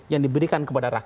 yang diberikan kepada rakyat